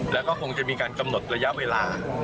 แล้วก็คงจะมีการกำหนดระยะเวลา